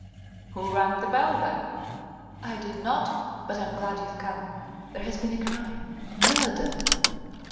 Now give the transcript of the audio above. "Who rang the bell, then?" "I did not. But I'm glad you've come. There has been a crime murder."